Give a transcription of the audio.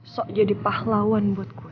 sok jadi pahlawan buat gue